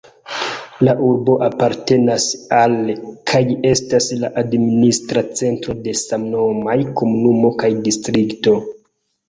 La urbo apartenas al kaj estas la administra centro de samnomaj komunumo kaj distrikto.